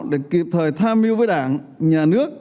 để kịp thời tham mưu với đảng nhà nước